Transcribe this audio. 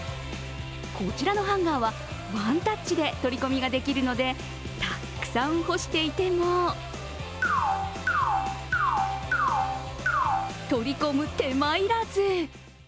こちらのハンガーはワンタッチで取り込みができるので、たくさん干していても取り込む手間いらず！